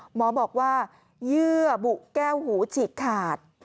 หมอบอกว่าเยื่อบุแก้วหูฉีกขาด